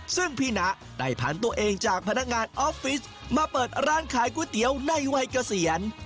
ซึ่งพี่นะได้พันตัวเองจากพนักงานออฟฟิศมาเปิดร้านขายก๋วยเตี๋ยวในวัยเกษียณ